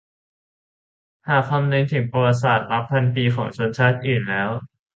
หากคำนึงถึงประวัติศาสตร์นับพันปีของชนชาติอื่นแล้ว